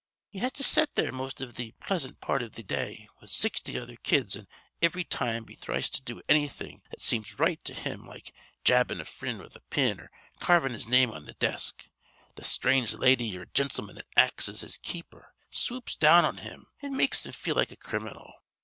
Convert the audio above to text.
He has to set there most iv th' pleasant part iv th' day with sixty other kids an' ivry time be thries to do annything that seems right to him like jabbin' a frind with a pin or carvin' his name on the desk, th' sthrange lady or gintleman that acts as his keeper swoops down on him an' makes him feel like a criminal.